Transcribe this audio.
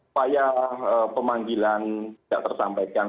upaya pemanggilan tidak tersampaikan